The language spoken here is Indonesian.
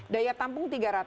daya tampung tiga ratus